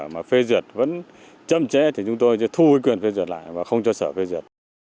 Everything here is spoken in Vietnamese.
mà phê duyệt vẫn chậm chế thì chúng tôi sẽ thu cái quyền phê duyệt lại và không cho sở phê duyệt